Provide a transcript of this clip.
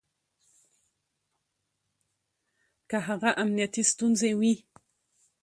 که هغه امنيتي ستونزې وي